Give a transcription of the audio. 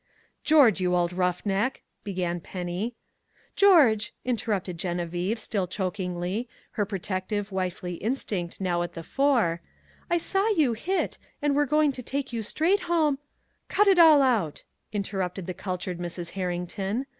"George, you old roughneck " began Penny. "George," interrupted Geneviève, still chokingly, her protective, wifely instinct now at the fore, "I saw you hit, and we're going to take you straight home " "Cut it all out," interrupted the cultured Mrs. Herrington.